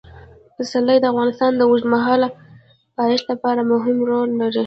پسرلی د افغانستان د اوږدمهاله پایښت لپاره مهم رول لري.